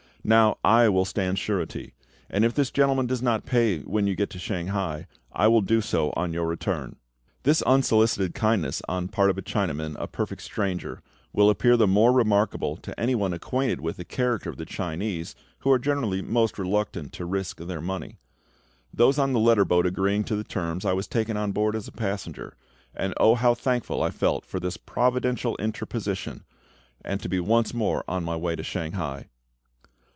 Now, I will stand surety; and if this gentleman does not pay when you get to Shanghai, I will do so on your return." This unsolicited kindness on the part of a Chinaman, a perfect stranger, will appear the more remarkable to any one acquainted with the character of the Chinese, who are generally most reluctant to risk their money. Those on the letter boat agreeing to the terms, I was taken on board as a passenger. Oh, how thankful I felt for this providential interposition, and to be once more on my way to Shanghai!